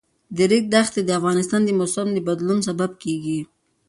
د ریګ دښتې د افغانستان د موسم د بدلون سبب کېږي.